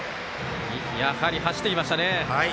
やはり、走ってきましたね。